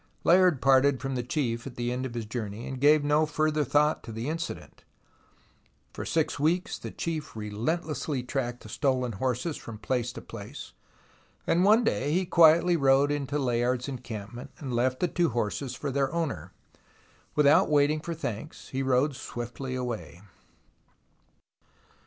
Layard parted from the chief at the end of his journey, and gave no further thought to the incident. For six weeks the chief relentlessly tracked the stolen horses from place to place, and one day he quietly rode into Layard's encampment and left the two horses for their owner. Without waiting for thanks, he rode swiftly away.